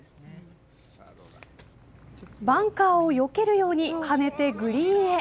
バンカーをよけるように跳ねてグリーンへ。